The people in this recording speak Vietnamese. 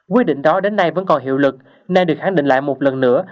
quyết định đó đến nay vẫn còn hiệu lực nay được khẳng định lại một lần nữa